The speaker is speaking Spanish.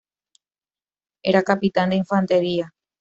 Era capitán de infantería.